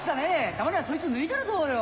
たまにはそいつを脱いだらどうよ？